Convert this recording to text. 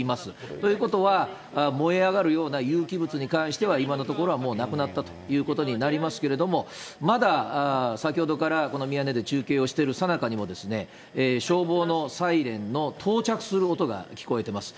ということは、燃え上がるような有機物に関しては今のところはもうなくなったということになりますけれども、まだ先ほどからこのミヤネ屋で中継をしている最中にも、消防のサイレンの到着する音が聞こえてます。